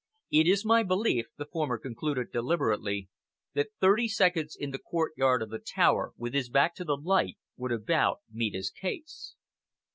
"It is my belief," the former concluded deliberately, "that thirty seconds in the courtyard of the Tower, with his back to the light, would about meet his case."